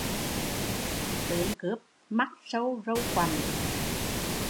Tướng cướp mắt sâu râu quặm